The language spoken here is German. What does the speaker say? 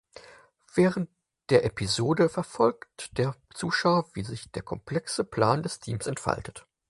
Während der Episode verfolgt der Zuschauer, wie sich der komplexe Plan des Teams entfaltet.